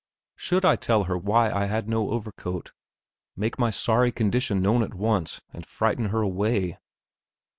Should I tell her why I had no overcoat; make my sorry condition known at once, and frighten her away?